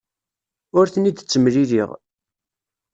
Ur ten-id-ttemliliɣ.